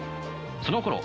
そのころ